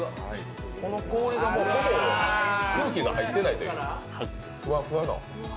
この氷がほぼ空気が入っていないという、ふわふわの。